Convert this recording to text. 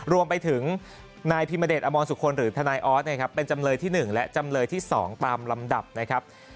รวมไปถึงนายพิมเดชอมรสุคลหรือทนายออสเป็นจำเลยที่๑และจำเลยที่๒ตามลำดับนะครับ